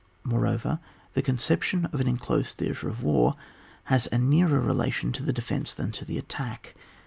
Moreover, the conception of an en closed theatre of war, has a nearer rela tion to the defence than to the attack.